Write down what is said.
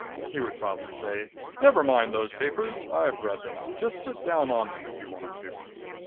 He would probably say, "Never mind those papers. I've read them. Just sit down on them if you want to."